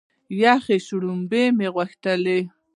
یخې شلومبې مو غوښتلې.